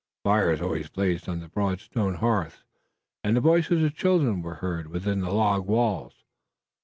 Fires always blazed on the broad stone hearths and the voices of children were heard within the log walls.